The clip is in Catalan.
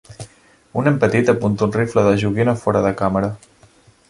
Un nen petit apunta un rifle de joguina fora de càmera.